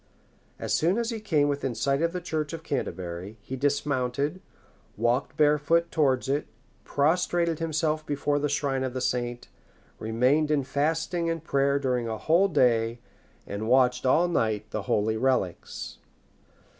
As soon as he came within sight of the church of Canterbury, he dismounted walked barefoot towards it, prostrated himself before the shrine of the saint, remained in fasting and prayer during a whole day, and watched all night the holy relics.